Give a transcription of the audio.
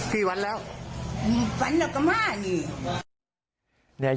ค่อยแล้วฝันละกาคม๒๐๐๗